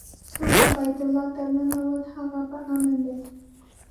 څوک چې بیت الله ته ننوت هغه په امن دی.